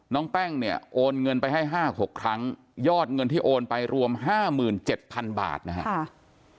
แป้งเนี่ยโอนเงินไปให้๕๖ครั้งยอดเงินที่โอนไปรวม๕๗๐๐บาทนะครับ